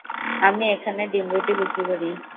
আমি এখানে ডিম রুটি বিক্রি করি।